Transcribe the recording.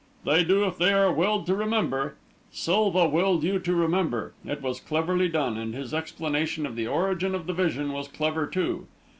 "They do if they are willed to remember. Silva willed you to remember. It was cleverly done, and his explanation of the origin of the vision was clever, too.